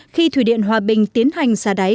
khi thủy điện hòa bình tiến hành xả đáy